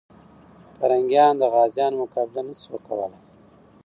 پرنګیان د غازيانو مقابله نه سوه کولای.